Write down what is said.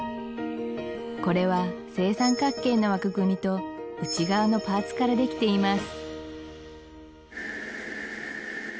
これは正三角形の枠組みと内側のパーツからできています